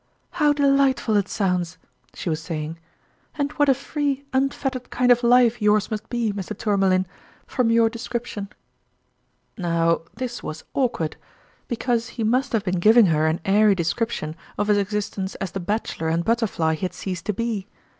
" How delightful it sounds," she was saying, "and what a free, unfettered kind of life yours must be, Mr. Tourmalin, from your de scription !" Now, this was awkward ; because he must have been giving her an airy description of his existence as the bachelor and butterfly he had ceased to be.